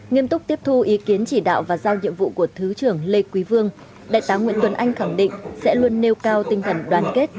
nghiêm túc tiếp thu ý kiến chỉ đạo và giao nhiệm vụ của thứ trưởng lê quý vương đại tá nguyễn tuấn anh khẳng định sẽ luôn nêu cao tinh thần đoàn kết